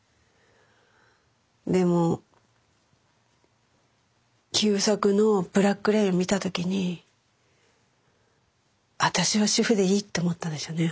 でも優作の「ブラック・レイン」を見た時に私は主婦でいいって思ったんですよね